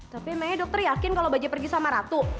tapi emangnya dokter yakin kalau bajak pergi sama ratu